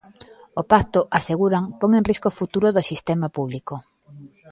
O pacto, aseguran, pon en risco o futuro do sistema público.